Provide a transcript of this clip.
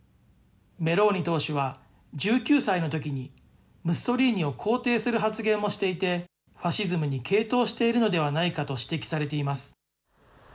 メローニ党首は１９歳のときに、ムッソリーニを肯定する発言もしていて、ファシズムに傾倒しているのではないかと指摘されています。